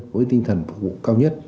với tinh thần phục vụ cao nhất